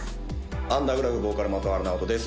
アンダーグラフボーカル真戸原直人です